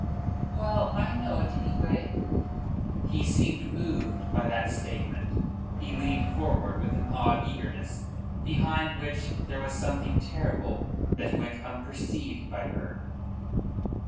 "Well... I know it, anyway." He seemed moved by that statement. He leaned forward with an odd eagerness, behind which there was something terrible that went unperceived by her.